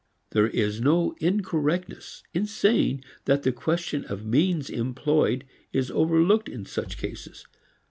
There is no incorrectness in saying that the question of means employed is overlooked in such cases.